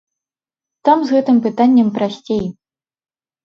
Там з гэтым пытаннем прасцей.